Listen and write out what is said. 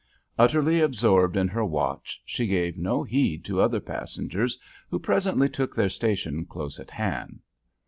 Utterly absorbed in her watch, she gave no heed to other passengers who presently took their station close at hand.